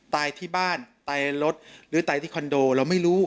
ตายที่บ้านตายรถหรือตายที่คอนโดเราไม่รู้